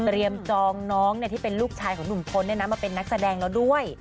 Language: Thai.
จองน้องที่เป็นลูกชายของหนุ่มพลมาเป็นนักแสดงแล้วด้วย